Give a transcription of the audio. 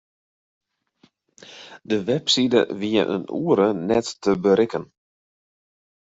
De webside wie in oere net te berikken.